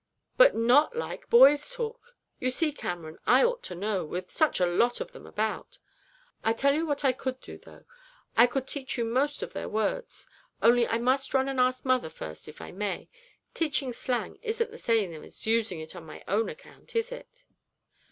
'But not like boys talk. You see, Cameron, I ought to know, with such a lot of them about. I tell you what I could do, though I could teach you most of their words only I must run and ask mother first if I may. Teaching slang isn't the same as using it on my own account, is it?'